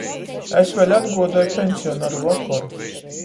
Es vēļ atguodoju peņsionaru vokoru.